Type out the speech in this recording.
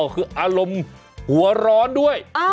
คืออารมณ์หัวร้อนด้วย